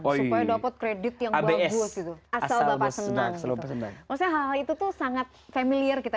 supaya dapat kredit yang bagus gitu asal bapak senang gitu maksudnya hal hal itu tuh sangat familiar kita